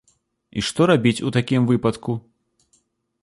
І што рабіць у такім выпадку?